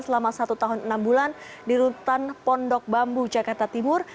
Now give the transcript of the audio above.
selama satu tahun enam bulan di rutan pondok bambu jakarta timur